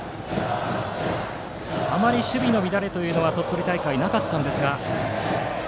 あまり守備の乱れというのは鳥取大会なかったんですが。